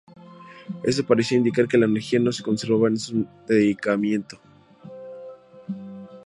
Esto parecía indicar que la energía no se conservaba en estos decaimiento.